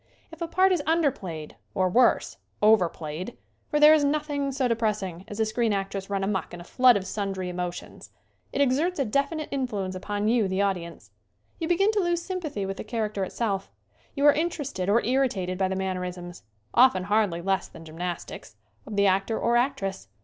If a part is under played or, worse, over played for there is nothing so depressing as a screen actress run amuck in a flood of sundry emotions it exerts a definite influence upon you, the audience. You begin to lose sympathy with the char acter itself. You are interested or irritated by the mannerisms often hardly less than gym nastics of the actor or actress.